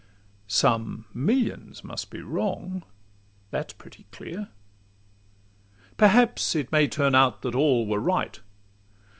Some millions must be wrong, that 's pretty dear; Perhaps it may turn out that all were right.